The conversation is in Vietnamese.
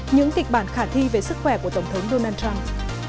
những kịch bản khả thi về sức khỏe của tổng thống donald trump